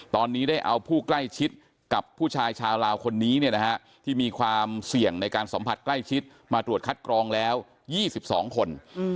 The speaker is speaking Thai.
ตอนนี้ได้เอาผู้ใกล้ชิดกับผู้ชายชาวลาวคนนี้ที่มีความเสี่ยงในการสัมผัสใกล้ชิดมาตรวจคัดกรองแล้ว๒๒คน